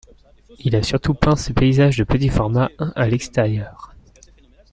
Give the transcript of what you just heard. Il a surtout peint ses paysages de petit format à l'extérieur.